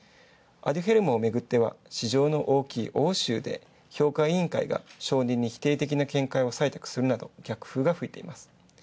アデュフェルムをめぐって、市場の大きい欧州で、評価委員会が承認に否定的な見解を示すなど、逆風が吹いています。